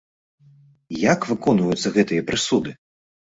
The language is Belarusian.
Як выконваюцца гэтыя прысуды?